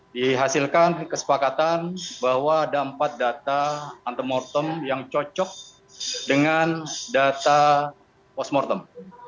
dihasilkan kesepakatan bahwa ada empat data antemortem yang cocok dengan data postmortem